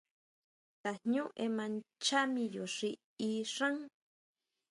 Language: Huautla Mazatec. Tajñú ema nchá miyo xi í xán.